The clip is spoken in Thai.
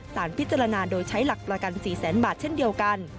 สารพิจารณาโดยใช้หลักประกัน๔แสนบาทเช่นเดียวกัน